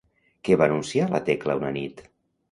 Què va anunciar la Tecla una nit?